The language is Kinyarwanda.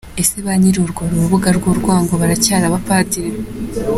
Ese ba nyiri urwo rubuga rw’urwango baracyari abapadiri ?